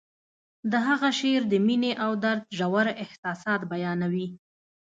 د هغه شعر د مینې او درد ژور احساسات بیانوي